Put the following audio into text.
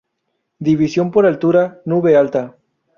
División por altura: nube alta.